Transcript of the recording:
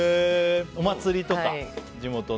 お祭りとか、地元の？